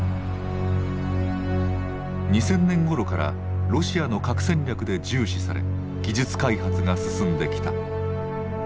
２０００年頃からロシアの核戦略で重視され技術開発が進んできた。